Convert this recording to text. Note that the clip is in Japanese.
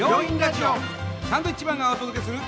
サンドウィッチマンがお届けする。